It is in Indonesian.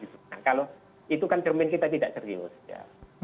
nah kalau itu kan cermin kita tidak serius ya